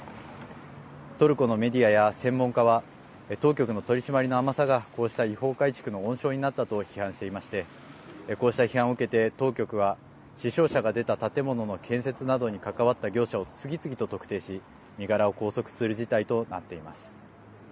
トルコのメディアや専門家は当局の取締りの甘さがこうした違法改築の温床になったと批判していましてこうした批判を受けて当局は死傷者が出た建物の建設などに関わった業者を次々と特定し身柄を拘束する事態となっています。